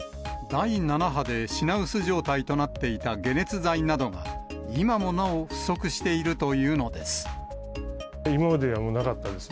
第７波で品薄状態となっていた解熱剤などが、今もなお、不足しているというのです。